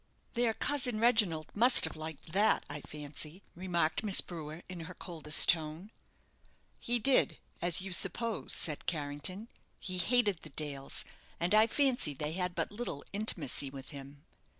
"Their cousin Reginald must have liked that, I fancy," remarked Miss Brewer, in her coldest tone. "He did, as you suppose," said Carrington; "he hated the Dales, and I fancy they had but little intimacy with him.